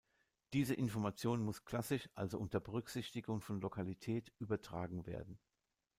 Diese Information muss klassisch, also unter Berücksichtigung von Lokalität, übertragen werden.